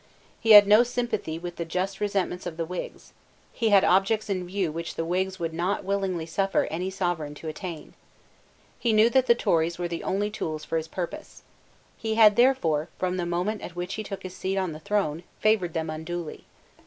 He had no sympathy with the just resentments of the Whigs. He had objects in view which the Whigs would not willingly suffer any Sovereign to attain. He knew that the Tories were the only tools for his purpose. He had therefore, from the moment at which he took his seat on the throne, favoured them unduly.